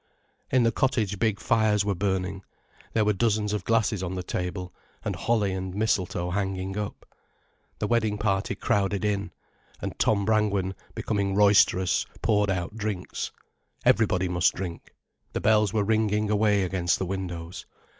In the cottage big fires were burning, there were dozens of glasses on the table, and holly and mistletoe hanging up. The wedding party crowded in, and Tom Brangwen, becoming roisterous, poured out drinks. Everybody must drink. The bells were ringing away against the windows.